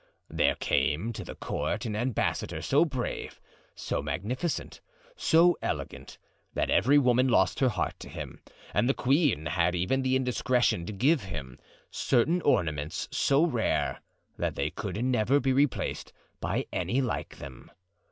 There came to the court an ambassador so brave, so magnificent, so elegant, that every woman lost her heart to him; and the queen had even the indiscretion to give him certain ornaments so rare that they could never be replaced by any like them.